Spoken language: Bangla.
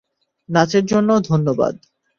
নাচের জন্য ধন্যবাদ।